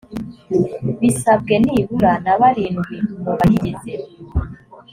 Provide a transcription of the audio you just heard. bisabwe nibura na barindwi mu bayigize